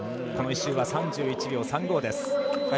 この１周は３１秒３５です。